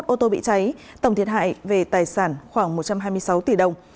một ô tô bị cháy tổng thiệt hại về tài sản khoảng một trăm hai mươi sáu tỷ đồng